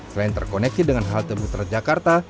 selain terkoneksi dengan halte busway jakarta